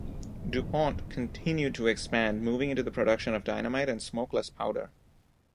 DuPont continued to expand, moving into the production of dynamite and smokeless powder.